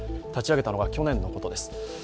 立ち上げたのは去年のことです。